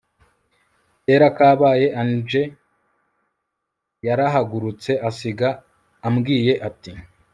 kera kabaye angel yarahagurutse asiga ambwiye ati